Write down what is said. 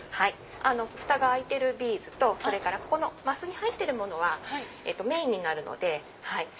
フタが開いてるビーズとここの升に入ってるものはメインになるので。